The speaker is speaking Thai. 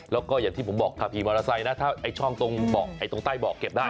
แล้วก็อย่างที่ผมบอกภาพีมอเตอร์ไซซ์ถ้าช่องที่ต้านเบาะเก็บได้